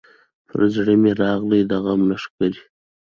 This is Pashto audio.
پر زړه مي راغلې د غم لښکري